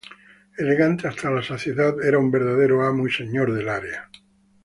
Elegante hasta la saciedad, era un verdadero amo y señor del área.